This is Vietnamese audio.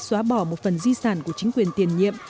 xóa bỏ một phần di sản của chính quyền tiền nhiệm